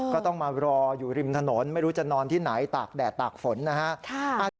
ก็ต้องมารออยู่ริมถนนไม่รู้จะนอนที่ไหนตากแดดตากฝนนะฮะ